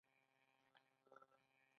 کۀ د چا پۀ ملا درد راځي -